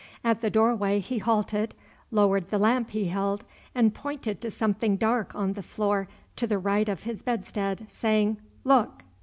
At the doorway he halted, lowered the lamp he held, and pointed to something dark on the floor to the right of his bedstead, saying, "Look!"